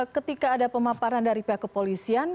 ketika ada pemaparan dari pihak kepolisian